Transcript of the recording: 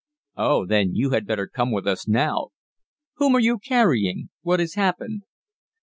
"Oh, then you had better come with us now." "Whom are you carrying? What has happened?"